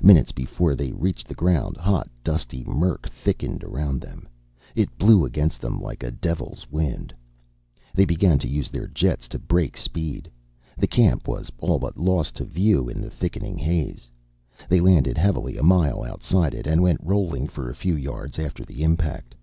Minutes before they reached the ground, hot, dusty murk thickened around them. It blew against them like a devil's wind. They began to use their jets to brake speed. The camp was all but lost to view in the thickening haze. They landed heavily a mile outside it and went rolling for a few yards after the impact.